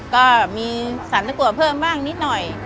ก็มีสารตะกัวเพิ่มบ้างนิดหน่อย